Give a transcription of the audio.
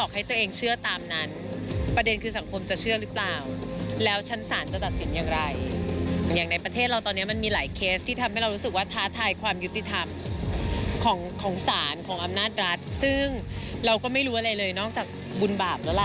ความยุติธรรมของสารของอำนาจรัฐซึ่งเราก็ไม่รู้อะไรเลยนอกจากบุญบาปแล้วล่ะ